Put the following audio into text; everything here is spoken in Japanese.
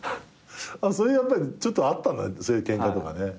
そういうちょっとあったんだそういうケンカとかね。